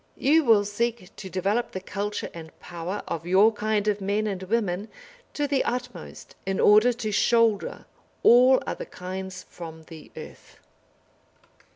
You will seek to develop the culture and power of your kind of men and women to the utmost in order to shoulder all other kinds from the earth.